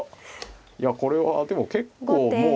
いやこれはでも結構もう。